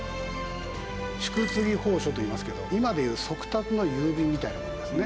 宿次奉書といいますけど今で言う速達の郵便みたいなものですね。